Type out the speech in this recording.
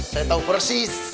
saya tahu persis